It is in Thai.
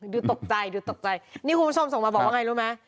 ดูตกใจดูตกใจนี่คุณผู้ชมส่งมาบอกว่าไงรู้ไหม